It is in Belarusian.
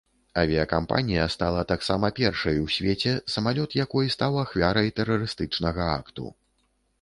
Авіякампанія стала таксама першай у свеце, самалёт якой стаў ахвярай тэрарыстычнага акту.